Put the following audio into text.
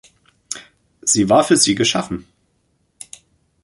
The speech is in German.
Sie war für sie geschaffen.